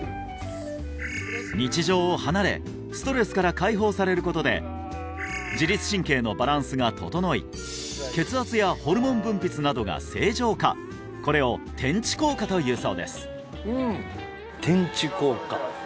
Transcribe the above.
日常を離れストレスから解放されることで自律神経のバランスが整い血圧やホルモン分泌などが正常化これを転地効果というそうです